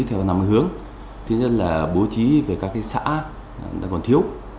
theo năm hướng thứ nhất là bố trí về các xã còn thiếu